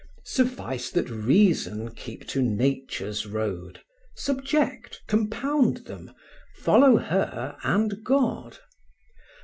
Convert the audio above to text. Suffice that Reason keep to Nature's road, Subject, compound them, follow her and God.